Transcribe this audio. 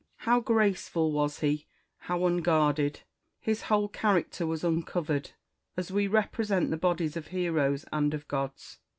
How graceful was he! how unguarded ! His whole character was uncovered ; as we represent the bodies of heroes and of gods.